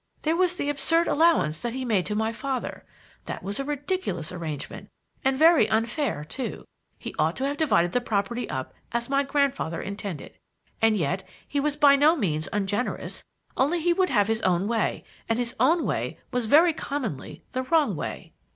There was the absurd allowance that he made to my father. That was a ridiculous arrangement, and very unfair too. He ought to have divided the property up as my grandfather intended. And yet he was by no means ungenerous, only he would have his own way, and his own way was very commonly the wrong way."